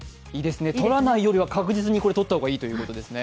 取らないよりは確実に取った方がいいということですね。